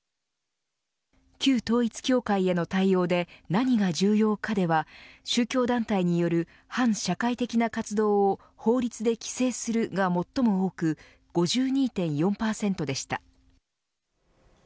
旧統一教会への対応で何が重要かでは宗教団体による反社会的な活動を法律で規制する、が最も多く５２．４％でした。